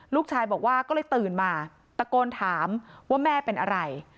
ลูกชายบอกว่าก็เลยตื่นมาตะโกนถามว่าแม่เป็นอะไร